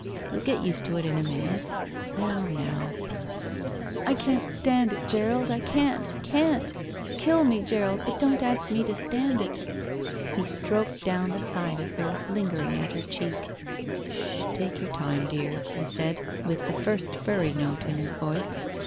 You'll get used to it in a minute. Now — ^now —" "I can't stand it, Gerald! I can't! Can't! Kill me, Gerald, but don't ask me to stand it!" He stroked down the side of her, lingering at her cheek. Sh h! Take your time, dear," he said, with the first furry note in his voice.